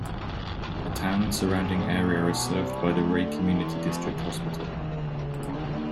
The town and surrounding area are served by the Wray Community District Hospital.